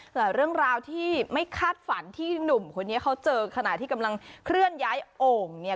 แต่เรื่องราวที่ไม่คาดฝันที่หนุ่มคนนี้เขาเจอขณะที่กำลังเคลื่อนย้ายโอ่งเนี่ย